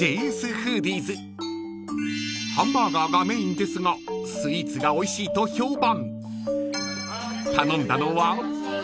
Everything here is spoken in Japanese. ［ハンバーガーがメインですがスイーツがおいしいと評判］